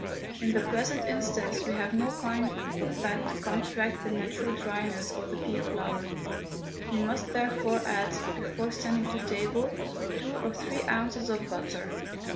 In the present instance we have no kind of fat to counteract the natural dryness of the pea flour. We must therefore add, before sending to table, two or three ounces of butter.